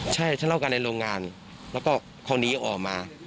ใช่ทำรอกันในโรงงานแล้วก็เขานีออกมา